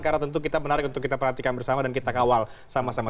karena tentu kita menarik untuk kita perhatikan bersama dan kita kawal sama sama